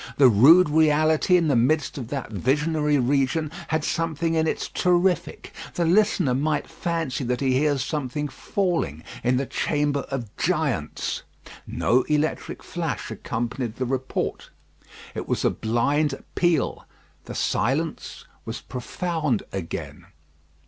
The rude reality in the midst of that visionary region has something in it terrific. The listener might fancy that he hears something falling in the chamber of giants. No electric flash accompanied the report. It was a blind peal. The silence was profound again.